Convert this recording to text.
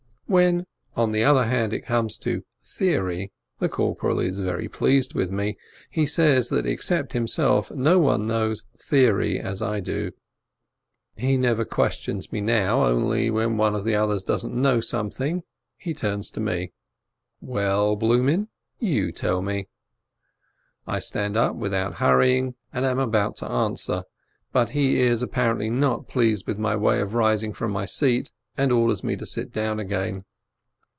When, on the other hand, it comes to "theory," the corporal is very pleased with me. He says, that except himself no one knows "theory" as I do. MILITARY SERVICE 287 He never questions me now, only when one of the others doesn't know something, he turns to me : "Well, Blumin, you tell me !" I stand up without hurrying, and am about to answer, but he is apparently not pleased with my way of rising from my seat, and orders me to sit down again.